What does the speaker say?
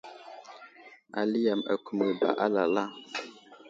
Ali yam akumiyo ba lala.